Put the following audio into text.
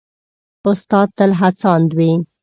استاد تل هڅاند وي.